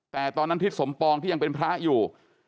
แต่ตอนนั้นทิศสมปองที่ยังเป็นพระอยู่